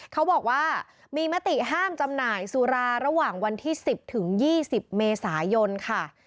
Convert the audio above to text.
เขาบอกว่ามีมติห้ามจำหน่ายสุราระหว่างวันที่๑๐ถึง๒๐เมษายนค่ะ